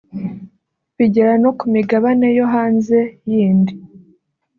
bigera no ku migabane yo hanze y’indi